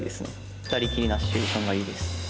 二人きりなシチュエーションがいいです。